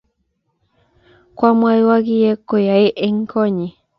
kwamwoi kiyee koyae eng konyi